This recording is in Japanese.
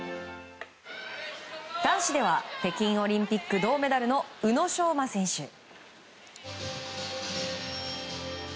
男子では北京オリンピック銅メダルの宇野昌磨選手。